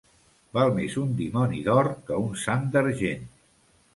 Val més un dimoni d'or que un sant d'argent.